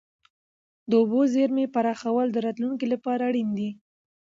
د اوبو زیرمې پراخول د راتلونکي لپاره اړین دي.